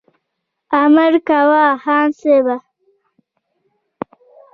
امر کوه خان صاحبه !